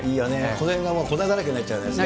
この辺が粉だらけになっちゃうやつね。